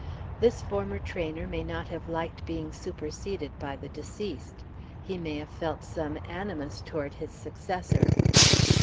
This former trainer may not have liked being superseded by the deceased. He may have felt some animus toward his successor."